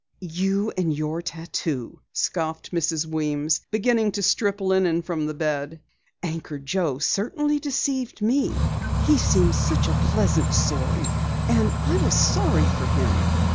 "You and your tattoo!" scoffed Mrs. Weems, beginning to strip linen from the bed. "Anchor Joe certainly deceived me. He seemed such a pleasant sort and I was sorry for him."